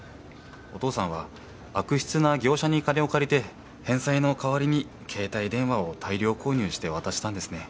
お父さんは悪質な業者に金を借りて返済の代わりに携帯電話を大量購入して渡したんですね。